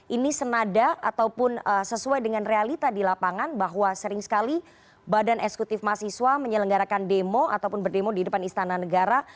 ini senada ataupun sesuai dengan realita di lapangan bahwa sering sekali badan eksekutif mahasiswa menyelenggarakan demo ataupun berdemo di depan istana negara